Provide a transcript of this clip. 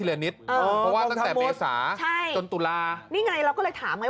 เออต้องทำหมดใช่นี่ไงเราก็เลยถามไง